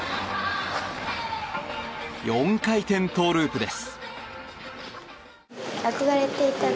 ４回転トウループです。